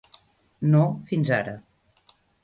No, fins ara.